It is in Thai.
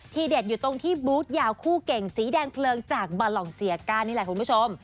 เด็ดอยู่ตรงที่บูธยาวคู่เก่งสีแดงเพลิงจากบาลองเซียก้านี่แหละคุณผู้ชม